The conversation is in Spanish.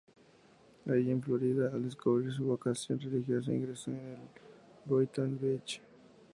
Allí en Florida, al descubrir su vocación religiosa, ingresó en el en Boynton Beach.